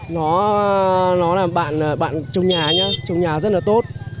nó là bạn trồng nhà nhé trồng nhà rất là tốt